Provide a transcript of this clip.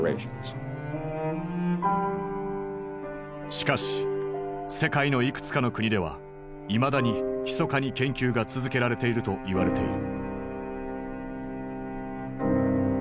しかし世界のいくつかの国ではいまだにひそかに研究が続けられていると言われている。